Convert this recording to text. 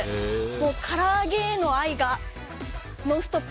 もう、から揚げへの愛がノンストップ！